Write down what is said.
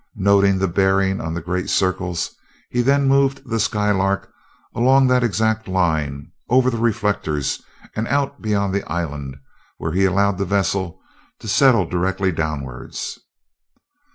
Noting the bearing on the great circles, he then moved the Skylark along that exact line, over the reflectors, and out beyond the island, where he allowed the vessel to settle directly downwards.